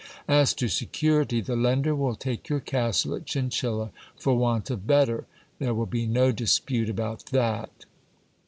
As to security, the lender will take your castle at Chinchilla, for want of better ; there will be no dispute about that.